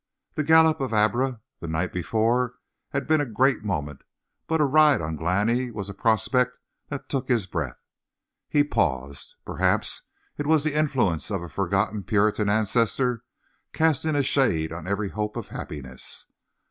The gallop on Abra the night before had been a great moment, but a ride on Glani was a prospect that took his breath. He paused. Perhaps it was the influence of a forgotten Puritan ancestor, casting a shade on every hope of happiness.